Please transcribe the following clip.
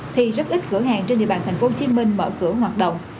thì rất ít cửa hàng trên địa bàn thành phố hồ chí minh mở cửa hoạt động